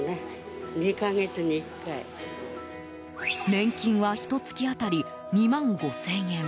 年金は、ひと月当たり２万５０００円。